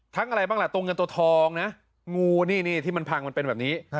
อะไรบ้างล่ะตัวเงินตัวทองนะงูนี่ที่มันพังมันเป็นแบบนี้